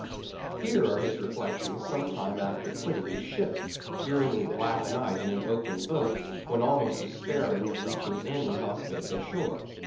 Here are his reflections some time after quitting the ship, during a black night in an open boat, when almost despairing of reaching any hospitable shore.